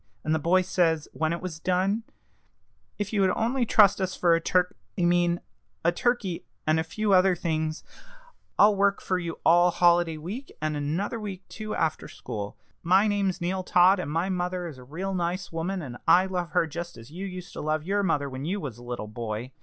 And the boy says, when it was done, 'If you would only trust us for a turk I mean, a turkey, and a few other things, I'll work for you all holiday week, and another week too, after school. My name's Neal Todd, and my mother is a real nice woman, and I love her just as you used to love your mother when you was a little boy.'